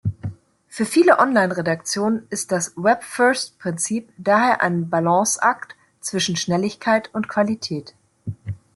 Für viele Online-Redaktionen ist das Web-First-Prinzip daher ein Balanceakt zwischen Schnelligkeit und Qualität.